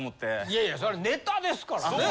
いやいやそれネタですからね。